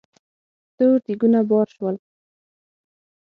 تور دېګونه بار شول.